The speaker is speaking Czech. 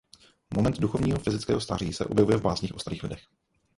Moment duchovního i fyzického stáří se objevuje v básních o starých lidech.